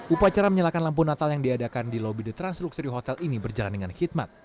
upacara menyalakan lampu natal yang diadakan di lobby the transluxury hotel ini berjalan dengan khidmat